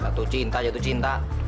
jatuh cinta jatuh cinta